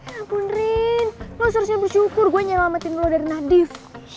akun rin lo seharusnya bersyukur gue nyelamatin lo dari nadif